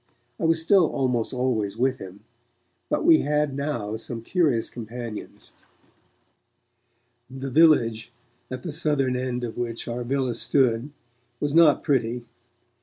I was still almost always with him, but we had now some curious companions. The village, at the southern end of which our villa stood, was not pretty.